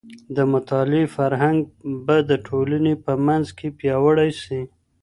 د مطالعې فرهنګ به د ټولني په منځ کي پياوړی سي.